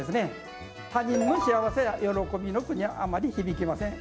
他人の幸せや喜びの句にはあまり響きません。